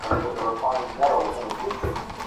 দেখতে যত সহজ, আসলে ততটা না।